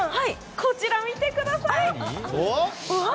こちらを見てください。